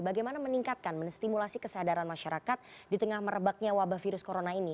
bagaimana meningkatkan menstimulasi kesadaran masyarakat di tengah merebaknya wabah virus corona ini